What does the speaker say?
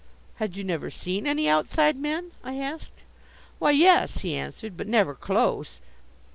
"Had you never seen any Outside Men?" I asked. "Why, yes," he answered, "but never close.